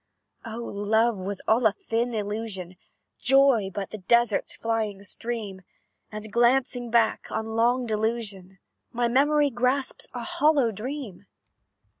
"Oh! Love was all a thin illusion Joy, but the desert's flying stream; And glancing back on long delusion, My memory grasps a hollow dream.